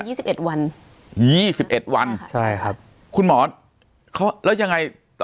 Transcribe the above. สิบเอ็ดวันยี่สิบเอ็ดวันใช่ครับคุณหมอเขาแล้วยังไงต่อ